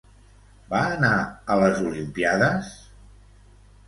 Va anar a les Olimpíades?